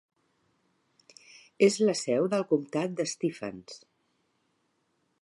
És la seu del comtat de Stephens.